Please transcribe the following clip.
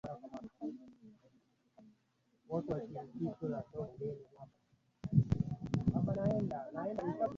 ya harusi za watu binafsi Watanzania wanataka kuona shirika hili linahudumia taifa vyama vyote